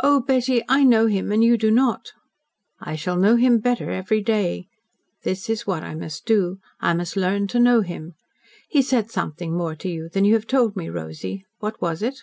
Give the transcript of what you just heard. Oh, Betty, I know him and you do not." "I shall know him better every day. That is what I must do. I must learn to know him. He said something more to you than you have told me, Rosy. What was it?"